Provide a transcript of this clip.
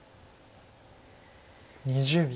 ２０秒。